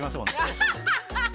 ワハハハ！